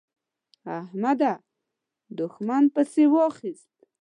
احمد؛ دوښمن پسې واخيست.